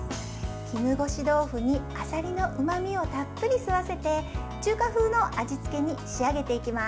絹ごし豆腐にあさりのうまみをたっぷり吸わせて中華風の味付けに仕上げていきます。